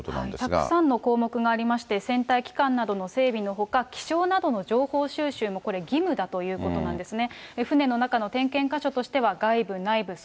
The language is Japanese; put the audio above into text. たくさんの項目がありまして、船体、機関などの整備のほか、気象などの情報収集もこれ、義務だということなんですね。